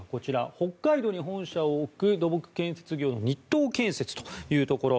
北海道に本社を置く土木建設業の日東建設というところ。